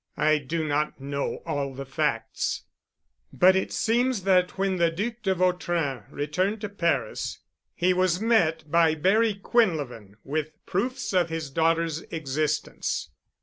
"I do not know all the facts, but it seems that when the Duc de Vautrin returned to Paris, he was met by Barry Quinlevin with proofs of his daughter's existence.